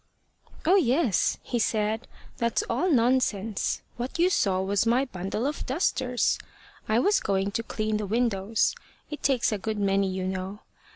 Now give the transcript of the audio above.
"Oh, yes! He said: `That's all nonsense. What you saw was my bundle of dusters. I was going to clean the windows. It takes a good many, you know.